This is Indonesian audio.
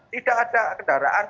tidak ada kendaraan